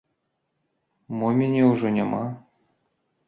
Мо мяне ўжо няма?